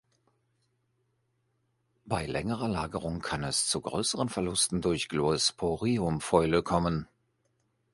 Bei längerer Lagerung kann es zu größeren Verlusten durch Gloeosporium-Fäule kommen.